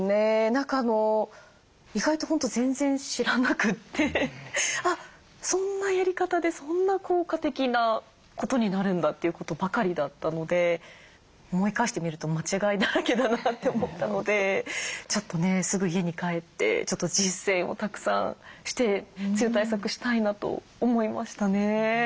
何か意外と本当全然知らなくてあっそんなやり方でそんな効果的なことになるんだということばかりだったので思い返してみると間違いだらけだなって思ったのでちょっとねすぐ家に帰ってちょっと実践をたくさんして梅雨対策したいなと思いましたね。